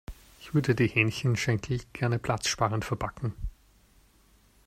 Ich würde die Hähnchenschenkel gerne platzsparend verpacken.